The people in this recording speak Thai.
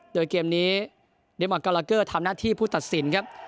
โดยเกมนี้เดมอนกาลาเกอร์ทำหน้าที่ผู้ตัดสินครับ